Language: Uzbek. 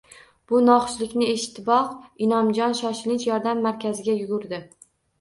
Bu noxushlikni eshitiboq, Inomjon shoshilinch yordam markaziga yugurdi